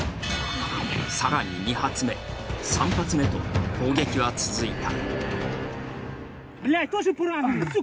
更に、２発目、３発目と砲撃は続いた。